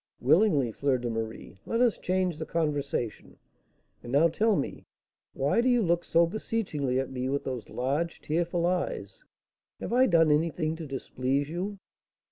"Willingly, Fleur de Marie; let us change the conversation. And now tell me, why do you look so beseechingly at me with those large, tearful eyes? Have I done anything to displease you?"